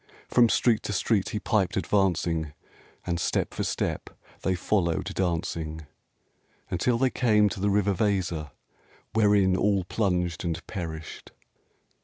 From street to street he piped advancing, And step for step they followed dancing, Until they came to the river Weser, Wherein all plunged and perished!